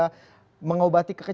dan juga mengobati kekejangan